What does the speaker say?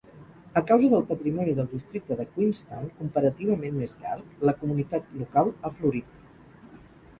A causa del patrimoni del districte de Queenstown, comparativament més llarg, la comunitat local ha florit.